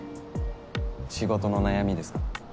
仕事の悩みですか？